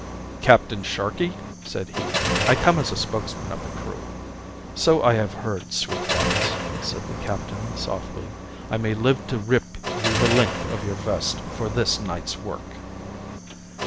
"Captain Sharkey," said he, "I come as spokesman of the crew." "So I have heard, Sweetlocks," said the captain, softly. "I may live to rip you the length of your vest for this night's work."